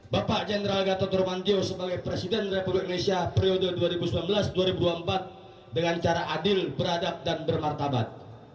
bapak general gatot nurmantio sebagai presiden republik indonesia periode dua ribu sembilan belas dua ribu dua puluh empat dengan cara adil beradab dan bermartabat